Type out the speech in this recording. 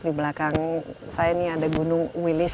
di belakang saya ini ada gunung wilis